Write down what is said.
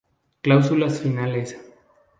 Cláusulas finales.